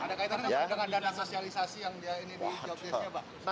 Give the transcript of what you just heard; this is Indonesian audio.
ada kaitannya dengan dana sosialisasi yang dia ini jawabinnya pak